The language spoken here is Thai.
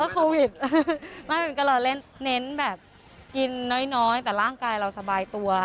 โควิดไม่มันก็เราเล่นเน้นแบบกินน้อยแต่ร่างกายเราสบายตัว